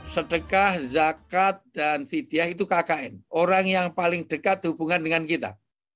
sedekah zakat dan vidyah itu kkn orang yang paling dekat hubungan dengan kita